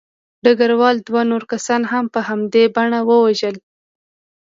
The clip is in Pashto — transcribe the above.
ډګروال دوه نور کسان هم په همدې بڼه ووژل